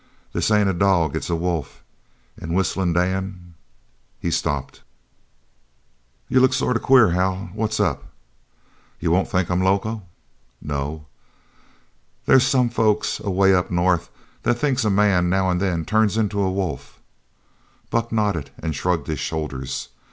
"This ain't a dog. It's a wolf. An' Whistlin' Dan " he stopped. "You look sort of queer, Hal. What's up?" "You won't think I'm loco?" "No." "They's some folks away up north that thinks a man now an' then turns into a wolf." Buck nodded and shrugged his shoulders.